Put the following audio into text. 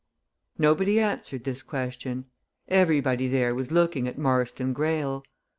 Nobody answered this question. Everybody there was looking at Marston Greyle.